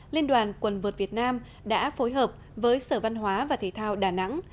liên đoàn quần vợt việt nam đã phối hợp với sở văn hóa và thể thao đà nẵng